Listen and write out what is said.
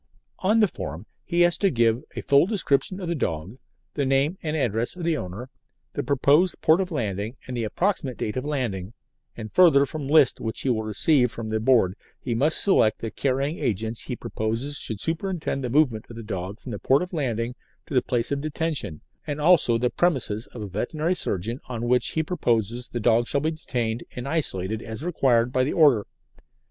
On the form he has to give a full description of the dog, the name and address of the owner, the proposed port of landing, and the approximate date of landing, and further from lists which he will receive from the Board he must select the carrying agents he proposes should superintend the movement of the dog from the port of landing to the place of detention, and also the premises of a veterinary surgeon on which he proposes the dog shall be detained and isolated as required by the Order.